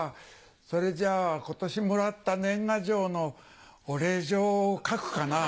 それじゃあ今年もらった年賀状のお礼状を書くかなぁ。